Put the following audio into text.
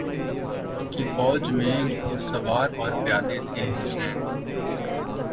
کی فوج میں گھرسوار اور پیادے تھے حسین